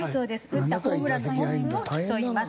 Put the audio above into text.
打ったホームランの本数を競います。